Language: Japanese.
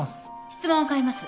質問を変えます。